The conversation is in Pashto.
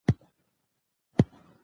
انتقادي نظمونه د نظم يو ډول دﺉ.